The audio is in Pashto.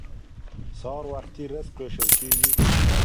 سهار وختي رزق ویشل کیږي.